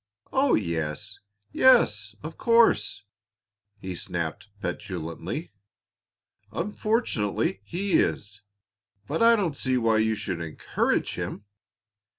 "Oh, yes! yes, of course," he snapped petulantly. "Unfortunately he is, but I don't see why you should encourage him.